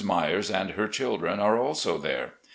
Myers and her children are also there.